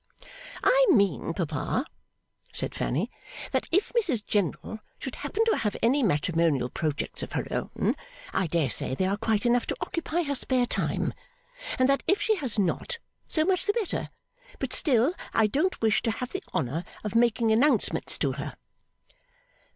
'I mean, papa,' said Fanny, 'that if Mrs General should happen to have any matrimonial projects of her own, I dare say they are quite enough to occupy her spare time. And that if she has not, so much the better; but still I don't wish to have the honour of making announcements to her.